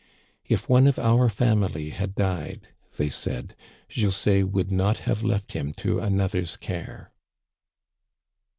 " If one of our family had died," they said, " Jules would not have left him to another's care."